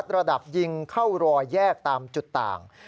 รอยแยกตามจุดต่าง